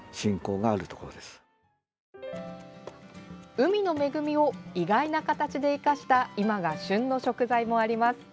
海の恵みを意外な形で生かした今が旬の食材もあります。